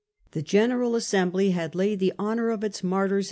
The General Assembly had laid the honor of its martyrs in 204 Hai.